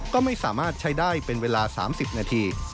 ก็ไม่สามารถใช้ได้เป็นเวลา๓๐นาที